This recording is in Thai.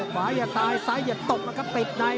ขวาอย่าตายซ้ายอย่าตกนะครับติดใน